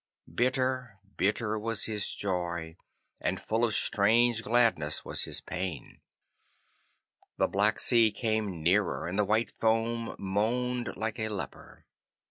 Bitter, bitter was his joy, and full of strange gladness was his pain. The black sea came nearer, and the white foam moaned like a leper.